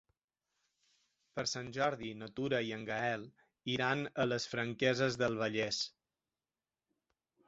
Per Sant Jordi na Tura i en Gaël iran a les Franqueses del Vallès.